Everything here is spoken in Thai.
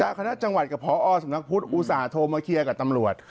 คณะจังหวัดกับพอสำนักพุทธอุตส่าห์โทรมาเคลียร์กับตำรวจ